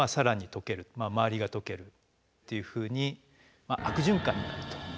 周りが解けるっていうふうに悪循環になると。